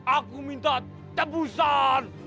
aku minta tebusan